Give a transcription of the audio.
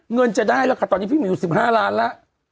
เงินจะได้ละค่ะตอนนี้พี่มี๑๕ล้านละ